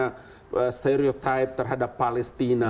gak punya stereotype terhadap palestina